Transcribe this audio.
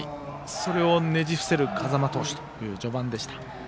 それをねじ伏せる風間投手という序盤でした。